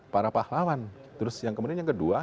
para pahlawan terus yang kemudian yang kedua